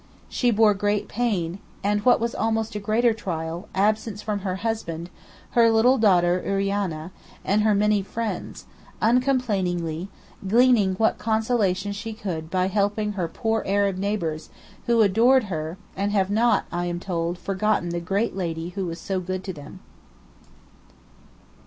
She bore great pain, and what was almost a greater trial, absence from her husband, her little daughter Urania, and her many friends, uncomplainingly, gleaning what consolation she could by helping her poor Arab neighbours, who adored her, and have not, I am told, forgotten the 'Great Lady' who was so good to them.